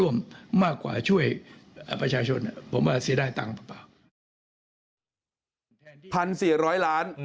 มาช่วยประชาชนผมว่าเสียได้ตังค์เปล่า